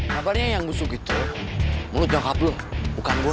kabarnya yang busuk itu mulut nyokap lo bukan gue